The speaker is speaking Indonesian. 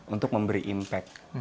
untuk memberi impact